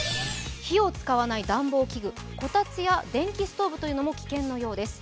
火を使わない暖房器具こたつや電気ストーブというのも危険なようです。